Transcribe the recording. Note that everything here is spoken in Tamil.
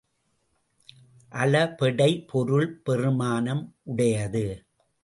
அளபெடை பொருள் பெறுமானம் உடையது.